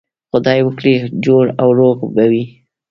خدای وکړي جوړ او روغ به وئ.